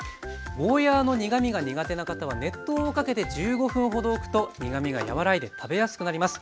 ゴーヤーの苦みが苦手な方は熱湯をかけて１５分ほどおくと苦みが和らいで食べやすくなります。